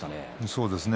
そうですね。